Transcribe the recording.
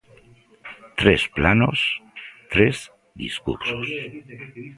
Tres planos, tres discursos.